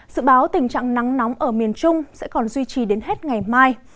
dự báo tình trạng nắng nóng ở miền trung sẽ còn duy trì đến hết ngày mai